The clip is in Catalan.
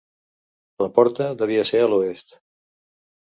La porta devia ser a l'oest.